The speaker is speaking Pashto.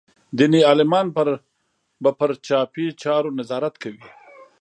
دیني عالمان به پر چاپي چارو نظارت کوي.